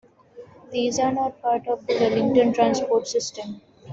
These are not part of the Wellington transport system.